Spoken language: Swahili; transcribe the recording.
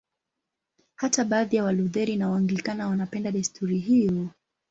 Hata baadhi ya Walutheri na Waanglikana wanapenda desturi hiyo.